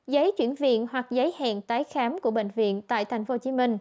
giấy chuyển viện hoặc giấy hẹn tái khám của bệnh viện tại tp hcm